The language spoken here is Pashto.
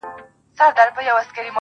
• لاس زما مه نيسه چي اور وانـــخــلـې.